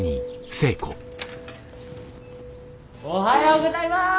おはようございます！